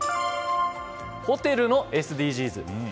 ホテルのＳＤＧｓ。